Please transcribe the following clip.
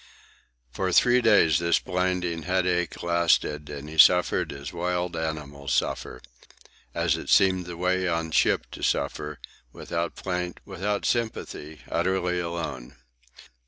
For three days this blinding headache lasted, and he suffered as wild animals suffer, as it seemed the way on ship to suffer, without plaint, without sympathy, utterly alone.